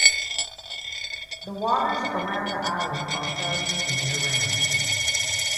The waters around the island are frozen the year round.